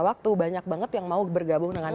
waktu banyak banget yang mau bergabung dengan